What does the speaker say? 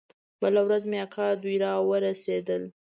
بله ورځ مې اکا دوى راورسېدل.